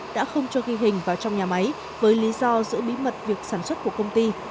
đã không cho ghi hình vào trong nhà máy với lý do giữ bí mật việc sản xuất của công ty